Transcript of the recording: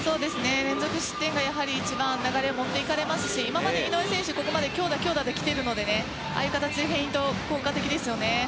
連続失点が一番流れを持っていかれるし今まで井上選手は強打、強打で来ているのでああいう形でフェイント、効果的ですよね。